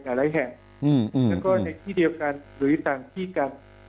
หลายแห่งแล้วก็ในที่เดียวกันหรือต่างที่กัน